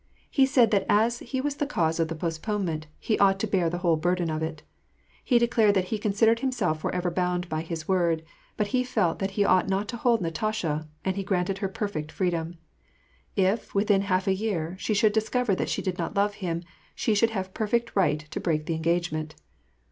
He said that as he was the cause of the post ponement, he ought to bear the whole burden of it. He de clared that he considered himself forever bound by his word ; but he felt that he ought not to hold Natasha, and he granted her perfect freedom. If, within a half year, she should dis cover that she did not love him, she should have perfect right to break the engagement.